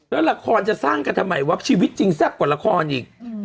แล้วละครจะสร้างกันทำไมวับชีวิตจริงแซ่บกว่าละครอีก